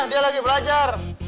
dia lagi belajar